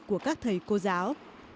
của các thầy cô giáo